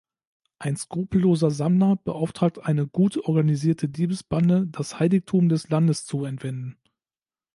Ein skrupelloser Sammler beauftragt eine gut organisierte Diebesbande das Heiligtum des Landes zu entwenden.